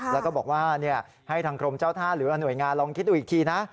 แล้วก็บอกว่าให้ทางกรมเจ้าท่าหรือว่าหน่วยงานลองคิดดูอีกทีนะ